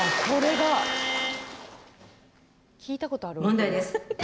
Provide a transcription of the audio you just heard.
問題です。